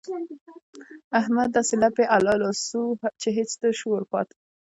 احمد داسې الپی الا سو چې هيڅ نه شول ورپاته.